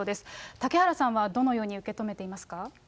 嵩原さんはどのように受け止めていますか。